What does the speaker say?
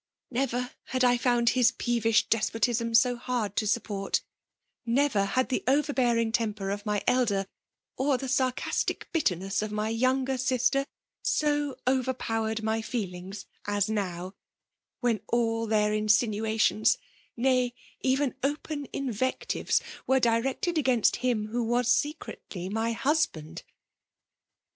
" Never had I found his peevish despotistu ifo hard to support; — never had the over bearing temper of my elder, or the sarcastit bitterness of my younger' sister^ so overpow ered my feelings as now; — ^when all their in sinuations, nay, even open invectives, were directed against him who was secretly my iiusbi^nd.